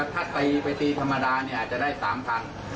ถ้าไปตีธรรมดาอาจจะได้๓๐๐๐บาท